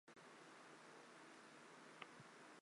耶尔萨克的圣热尼。